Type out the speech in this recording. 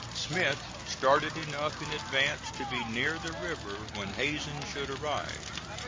Smith started enough in advance to be near the river when Hazen should arrive.